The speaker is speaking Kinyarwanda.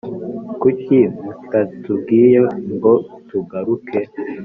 Kuki mutatubwiye ngo tugaruke